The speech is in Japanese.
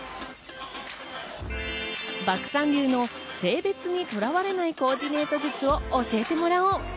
漠さん流の性別にとらわれないコーディネート術を教えてもらおう。